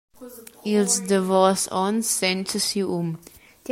Ils davos onns senza siu um.